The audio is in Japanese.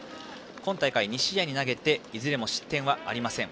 今大会２試合投げていずれも失点はありません。